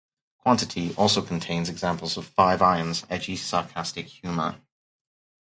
"Quantity" also contains examples of Five Irons' "edgy sarcastic humor.